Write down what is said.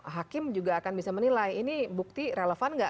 hakim juga akan bisa menilai ini bukti relevan nggak